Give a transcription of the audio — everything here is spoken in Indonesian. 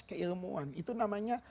keilmuan itu namanya